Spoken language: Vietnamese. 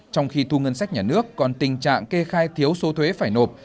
trong khi thu ngân sách nhà nước còn tình trạng kê khai thiếu số thuế phải nộp